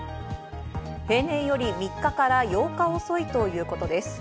平年より３日から８日遅いということです。